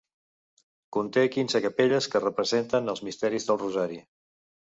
Conté quinze capelles que representen els misteris del rosari.